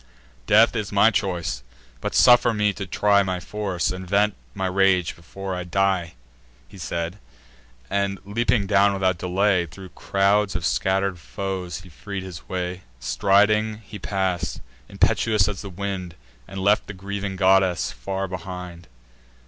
Death is my choice; but suffer me to try My force, and vent my rage before I die." He said; and, leaping down without delay, Thro' crowds of scatter'd foes he freed his way. Striding he pass'd, impetuous as the wind, And left the grieving goddess far behind.